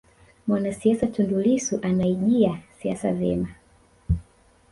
mwanasiasa tundu lissu anaijia siasa vyema